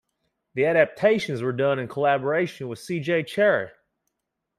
The adaptations were done in collaboration with C. J. Cherryh.